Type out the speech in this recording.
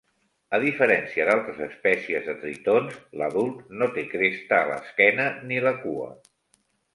A diferència d'altres espècies de tritons, l'adult no té cresta a l'esquena ni la cua.